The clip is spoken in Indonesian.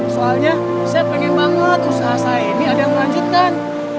soalnya saya pengen banget usaha saya ini ada yang melanjutkan